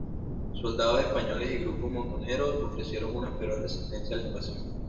Soldados españoles y grupos montoneros ofrecieron una feroz resistencia a la invasión.